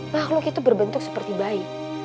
makhluk itu berbentuk seperti bayi